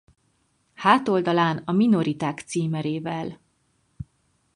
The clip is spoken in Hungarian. Hátoldalán a minoriták címerével.